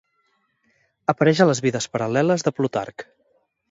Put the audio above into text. Apareix a les Vides paral·leles de Plutarc.